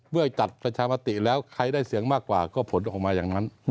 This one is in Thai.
เมื่อจัดประชามติแล้วใครได้เสียงมากกว่าก็ผลออกมาอย่างนั้น